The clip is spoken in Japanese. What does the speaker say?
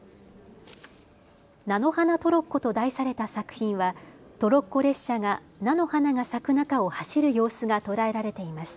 菜の花トロッコと題された作品はトロッコ列車が菜の花が咲く中を走る様子が捉えられています。